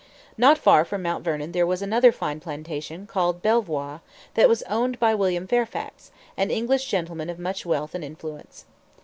Not far from Mount Vernon there was another fine plantation called Belvoir, that was owned by William Fairfax, an English gentleman of much wealth and influence.